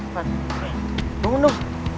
lan nih bangun dong